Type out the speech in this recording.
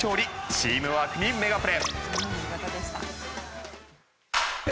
チームワークにメガプレ。